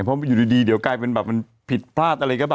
เพราะอยู่ดีเดี๋ยวกลายเป็นแบบมันผิดพลาดอะไรก็ได้